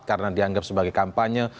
karena dianggap sebagai kampanye